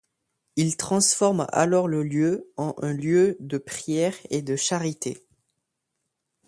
Il transforme alors le lieu en un lieu de prière et de charité.